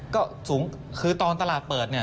ก็สูงคือตอนตลาดเปิด